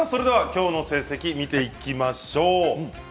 きょうの成績見ていきましょう。